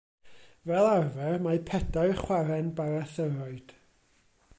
Fel arfer mae pedair chwarren barathyroid.